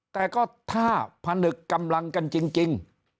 แต่ก็ถ้าผนึกกำลังกันจริง